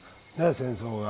戦争が。